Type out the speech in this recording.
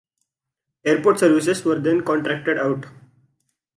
Airport services were then contracted out.